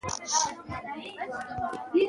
افغانستان د کلتور د ترویج لپاره پروګرامونه لري.